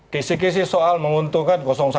kisih kisih soal menguntungkan satu